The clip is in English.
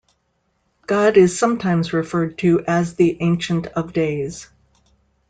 God is sometimes referred to as the Ancient of Days.